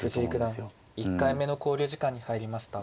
藤井九段１回目の考慮時間に入りました。